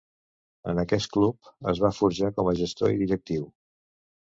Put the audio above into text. En aquest club es va forjar com a gestor i directiu.